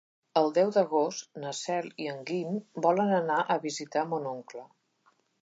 El deu d'agost na Cel i en Guim volen anar a visitar mon oncle.